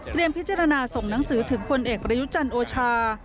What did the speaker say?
พิจารณาส่งหนังสือถึงผลเอกประยุจันทร์โอชา